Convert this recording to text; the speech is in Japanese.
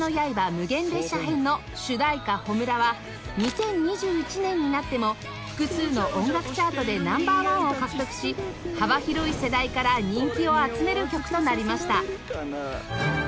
無限列車編』の主題歌『炎』は２０２１年になっても複数の音楽チャートでナンバーワンを獲得し幅広い世代から人気を集める曲となりました